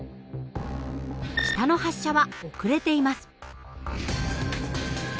下の発射は遅れています。